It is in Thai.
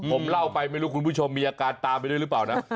ผมเล่าไปไม่รู้คุณผู้ชมมีอาการตามไปด้วยหรือเปล่านะ